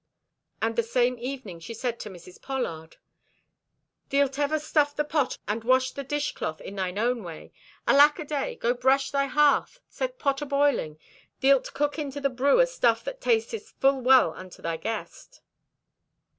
And the same evening she said to Mrs. Pollard: "Thee'lt ever stuff the pot and wash the dishcloth in thine own way. Alackaday! Go brush thy hearth. Set pot aboiling. Thee'lt cook into the brew a stuff that tasteth full well unto thy guest."